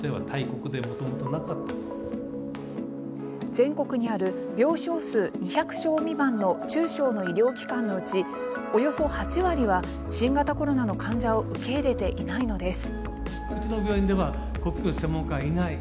全国にある病床数２００床未満の中小の医療機関のうちおよそ８割は新型コロナの患者を受け入れていないのです。